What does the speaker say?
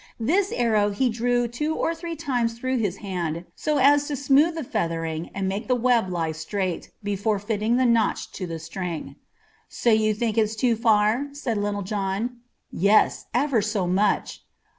This arrow he drew two or three times through his hand so as to smooth the feathering and make the web lie straight, before fitting the notch to the string. "So you think it's too far?" said Little John. "Yes, ever so much."